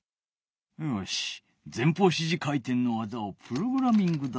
よし前方支持回転の技をプログラミングだ。